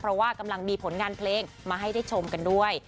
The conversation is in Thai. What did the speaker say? เพราะว่ากำลังมีผลงานเพลงมาให้ได้ชมกันด้วย